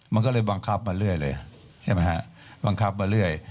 มันก็เลยบังคับมาเรื่อยเลยบังคับมาเรื่อย